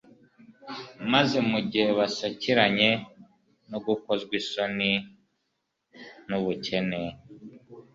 "Maze mu gihe basakiranye no gukozwa isoni n'ubukene